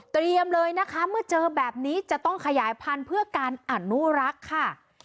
เลยนะคะเมื่อเจอแบบนี้จะต้องขยายพันธุ์เพื่อการอนุรักษ์ค่ะ